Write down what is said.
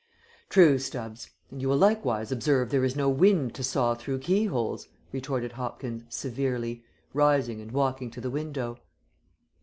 "True, Stubbs; and you will likewise observe there is no wind to sough through key holes," retorted Hopkins, severely, rising and walking to the window.